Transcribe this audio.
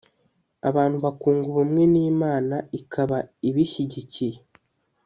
abantu bakunga ubumwe n' imana ikaba ibishyigikiye,